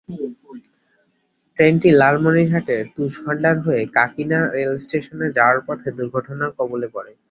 ট্রেনটি লালমনিরহাটের তুষভান্ডার হয়ে কাকিনা রেলস্টেশন যাওয়ার পথে দুর্ঘটনার কবলে পড়ে।